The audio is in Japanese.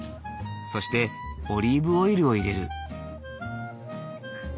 そしてオリーブオイルを入れる。